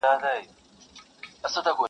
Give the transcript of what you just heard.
پېښه د تماشې بڼه اخلي او درد پټيږي,